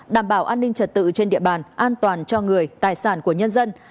đảm bảo an ninh trật tự trên địa bàn an toàn cho người tài sản của nhân dân